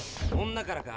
女からか？